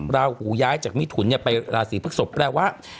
ราหูย้ายจากมิถุนไปราศีพฤกษกแปลว่า